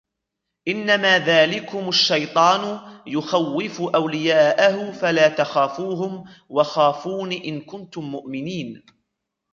إِنَّمَا ذَلِكُمُ الشَّيْطَانُ يُخَوِّفُ أَوْلِيَاءَهُ فَلَا تَخَافُوهُمْ وَخَافُونِ إِنْ كُنْتُمْ مُؤْمِنِينَ